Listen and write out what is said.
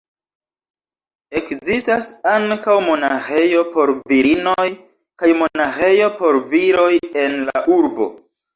Ekzistas ankaŭ monaĥejo por virinoj kaj monaĥejo por viroj en la urbo.